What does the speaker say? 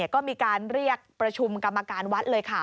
ก็มีการเรียกประชุมกรรมการวัดเลยค่ะ